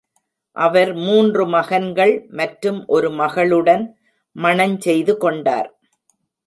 அவர் மூன்று மகன்கள் மற்றும் ஒரு மகளுடன் மணஞ் செய்து கொண்டார்.